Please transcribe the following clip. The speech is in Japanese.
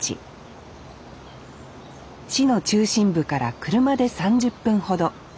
市の中心部から車で３０分ほど。